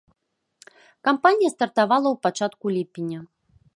Кампанія стартавала ў пачатку ліпеня.